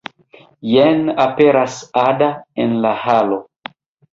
Jen aperas Ada en la halo.